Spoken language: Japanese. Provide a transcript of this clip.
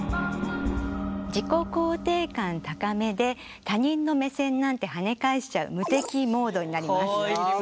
自己肯定感高めで他人の目線なんてはね返しちゃう無敵モードになります。